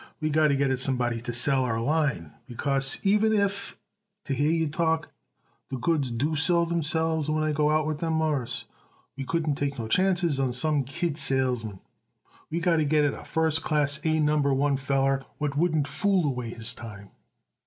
We got to get it somebody to sell our line, because even if, to hear you talk, the goods do sell themselves when I go out with them, Mawruss, we couldn't take no chances on some kid salesman. We got to get it a first class A Number One feller what wouldn't fool away his time."